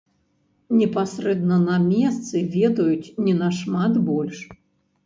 Непасрэдна на месцы ведаюць не нашмат больш.